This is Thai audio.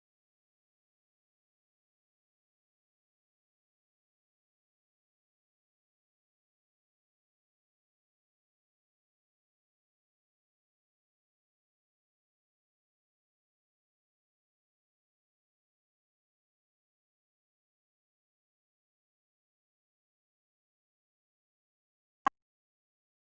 ตอนนั้นก็มีลูกชายไว้๒๐วันที่แม่ยายอุ้มอยู่